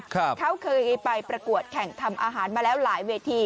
เขาเคยไปประกวดแข่งทำอาหารมาแล้วหลายเวที